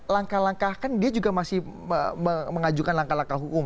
langkah langkah kan dia juga masih mengajukan langkah langkah hukum